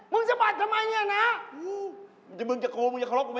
มึงสะบัดทำไมนี่นานา